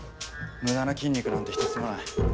無駄な筋肉なんてひとつもない。